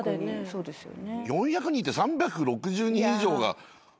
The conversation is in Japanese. そうですよね。